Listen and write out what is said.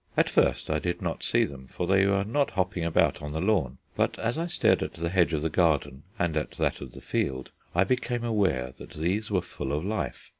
At first I did not see them, for they were not hopping about on the lawn; but as I stared at the hedge of the garden, and at that of the field, I became aware that these were full of life.